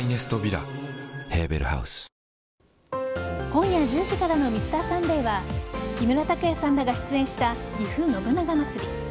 今夜１０時からの「Ｍｒ．サンデー」は木村拓哉さんらが出演したぎふ信長まつり。